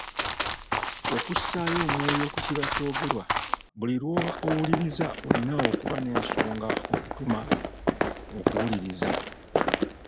Okussaayo omwoyo ku kiba kyogerwa, buli lw’oba owuliriza olina okuba n’ensonga okutuma okuwuliriza .